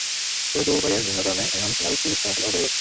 তবে দুবাইয়ে ভিন্ন কারণে এখন সোনার বিক্রি কিছুটা হলেও বেড়ে গেছে।